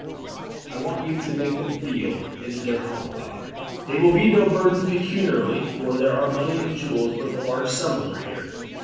"I want you to make them feel it is their home, father. They will be no burden pecuniarily, for there are money and jewels worth a large sum over here."